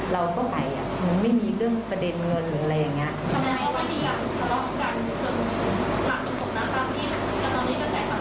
เราก็ไปมันไม่มีเรื่องประเด็นเงินหรืออะไรอย่างนี้